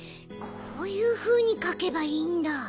こういうふうにかけばいいんだ。